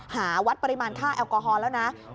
หาวัดปริมาณค่าแอลกอฮอล์แล้วนะ